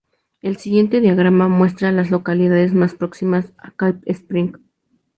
El siguiente diagrama muestra a las localidades más próximas a Cave Spring.